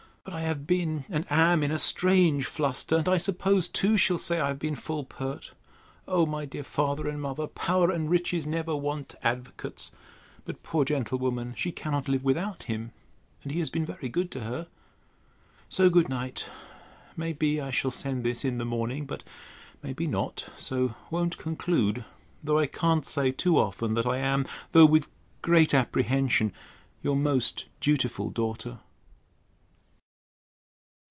But I have been, and am, in a strange fluster; and I suppose too, she'll say, I have been full pert. O my dear father and mother, power and riches never want advocates! But, poor gentlewoman, she cannot live without him: and he has been very good to her. So good night. May be I shall send this in the morning; but may be not; so won't conclude: though I can't say too often, that I am (though with great apprehension) Your most dutiful DAUGHTER.